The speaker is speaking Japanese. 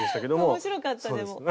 面白かったでも。